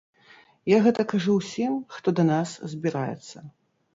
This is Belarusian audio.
Я гэта кажу ўсім, хто да нас збіраецца.